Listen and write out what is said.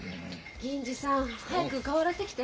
銀次さん早く顔洗ってきて。